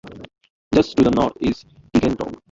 Just to the north is Tickencote.